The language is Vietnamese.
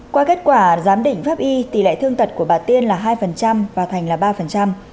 qua kết quả giám định pháp y tỷ lệ thương tật của bà tiên là hai và thành là ba